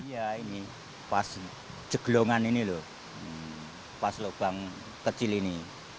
iya ini pas jeglongan ini loh pas lubang kecil ini